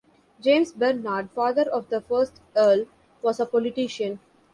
James Bernard, father of the first Earl, was a politician.